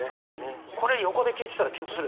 これ横で聞いてたらキュンとする。